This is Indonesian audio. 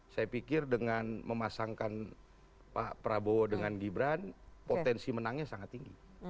saya pikir dengan memasangkan pak prabowo dengan gibran potensi menangnya sangat tinggi